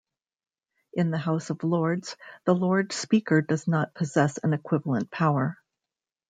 In the House of Lords, the Lord Speaker does not possess an equivalent power.